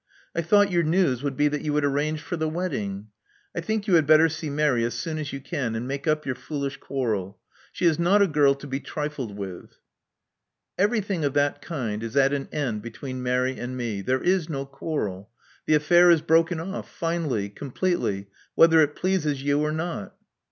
I thought your news would be that you had arranged for the wedding. I think you had better see Mary as soon as you can, and make up your foolish quarrel. She is not a girl to be trifled with." Everything of that kind is at an end between Mary and me. There is no quarrel. The affair is broken off finally — completely — whether it pleases you or not."